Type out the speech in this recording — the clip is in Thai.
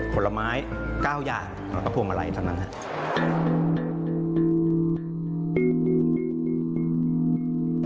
ผลไม้๙อย่างแล้วก็พวงมาลัยเท่านั้นครับ